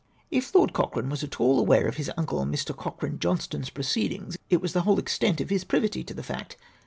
" If Lord Cochrane was at all aware of his vmcle Mr. Cochrane Johnstone's proceedings, it was the whole extent of his privity to the fact.